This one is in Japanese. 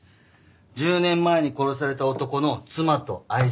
１０年前に殺された男の妻と愛人。